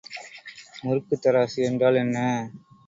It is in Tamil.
முறுக்குத்தராசு என்றால் என்ன?